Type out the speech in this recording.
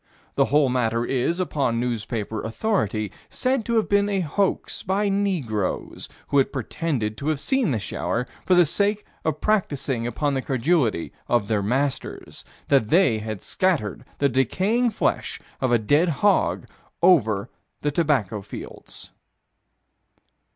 The whole matter is, upon newspaper authority, said to have been a hoax by Negroes, who had pretended to have seen the shower, for the sake of practicing upon the credulity of their masters: that they had scattered the decaying flesh of a dead hog over the tobacco fields.